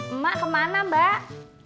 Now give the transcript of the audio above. emak kemana mbak